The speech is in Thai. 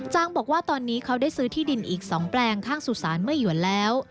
บอกว่าตอนนี้เขาได้ซื้อที่ดินอีก๒แปลงข้างสุสานเมื่อหยวนแล้ว